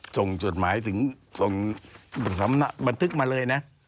ส่งจดหมายส่งบันทึกมาเลยนะ